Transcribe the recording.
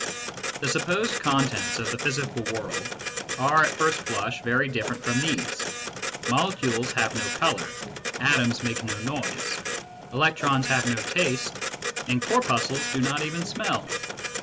The supposed contents of the physical world are prima facie very different from these : molecules have no colour, atoms make no noise, electrons have no taste, and cor puscles do not even smell.